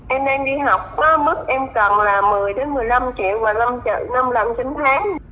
em đang đi học bức em cần là một mươi một mươi năm triệu và năm trợ năm lần chín tháng